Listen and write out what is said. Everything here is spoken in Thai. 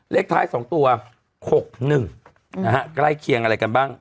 เลขท้ายสองตัวหกหนึ่งนะฮะใกล้เคียงอะไรกันบ้าง